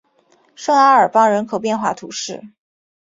圣阿尔邦人口变化图示